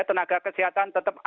tenaga kesehatan tetap survive